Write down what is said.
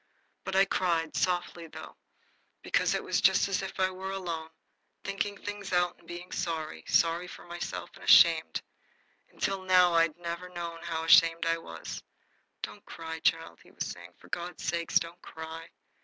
But I cried, softly, though, because it was just as if I were alone, thinking things out and being sorry, sorry for myself and ashamed. Until now I'd never known how ashamed I was. "Don't cry, child," he was saying. "For God's sake, don't cry!"